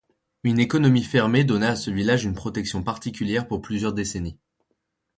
Une économie fermée donna à ce village une protection particulière pour plusieurs décennies.